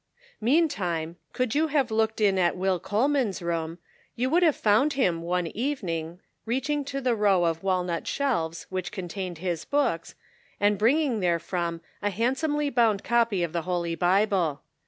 MEANTIME, could you have looked in at Will Coleman's room, you would have found him, one evening, reaching to the row of walnut shelves which contained his books, and bringing therefrom a hand somely bound copy of the Holy Bible.